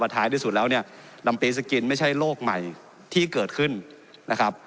ท้ายที่สุดแล้วเนี่ยลำปีสกินไม่ใช่โลกใหม่ที่เกิดขึ้นนะครับ